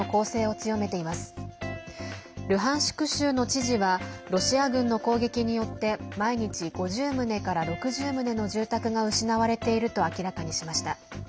州の知事はロシア軍の攻撃によって毎日５０棟から６０棟の住宅が失われていると明らかにしました。